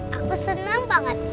kakek aku senang banget